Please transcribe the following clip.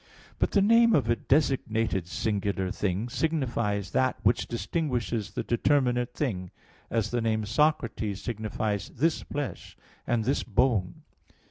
But the name of a designated singular thing signifies that which distinguishes the determinate thing; as the name Socrates signifies this flesh and this bone.